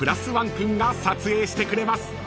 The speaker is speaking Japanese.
君が撮影してくれます］